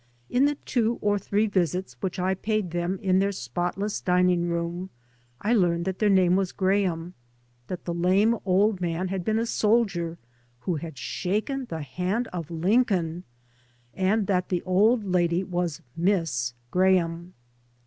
In the two or three visits which I paid them in their spotless dining room, I learned that their name was Graham, that the lame old man had been a soldier who had shaken the hand of Lincoln, and that the old lady was " Miss Graham."